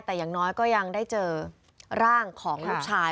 แต่อย่างน้อยก็ยังได้เจอร่างของลูกชาย